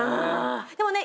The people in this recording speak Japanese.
でもね